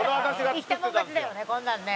「言ったもん勝ちだよねこんなのね」